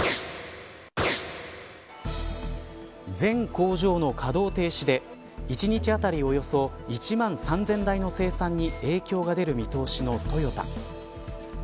全工場の稼働停止で１日当たりおよそ１万３０００台の生産に影響が出る見通しのトヨタ。